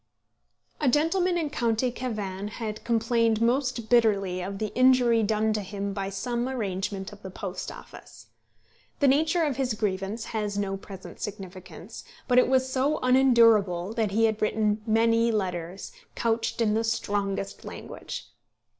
A gentleman in county Cavan had complained most bitterly of the injury done to him by some arrangement of the Post Office. The nature of his grievance has no present significance; but it was so unendurable that he had written many letters, couched in the strongest language.